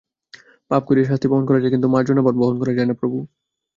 পাপ করিয়া শাস্তি বহন করা যায়, কিন্তু মার্জনাভার বহন করা যায় না প্রভু!